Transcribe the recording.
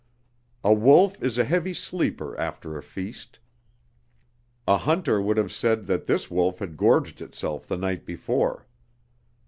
A wolf is a heavy sleeper after a feast. A hunter would have said that this wolf had gorged itself the night before.